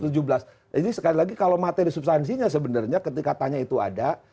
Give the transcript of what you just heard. jadi sekali lagi kalau materi substansinya sebenarnya ketika tanya itu ada